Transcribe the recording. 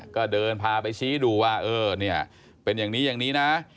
ก็เดินพาไปชี้ดูว่าเออเนี่ยเป็นอย่างนี้อย่างนี้นะ